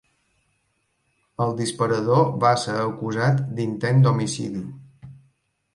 El disparador va ser acusat d'intent d'homicidi.